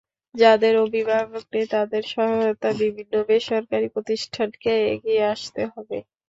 যাদের অভিভাবক নেই, তাদের সহায়তায় বিভিন্ন বেসরকারি প্রতিষ্ঠানকে এগিয়ে আসতে হবে।